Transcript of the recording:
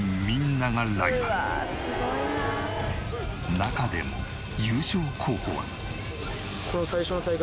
中でも優勝候補は。